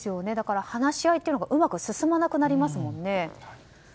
だから話し合いがうまく進まなくなりますもんね。